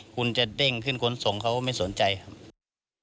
คุณจะเด้งขึ้นขนส่งเขาไม่สนใจครับ